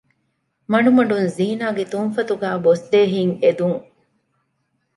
މަޑުމަޑުން ޒީނާގެ ތުންފަތުގައި ބޮސްދޭ ހިތް އެދުން